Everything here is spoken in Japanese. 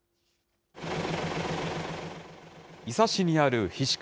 伊佐市にある菱刈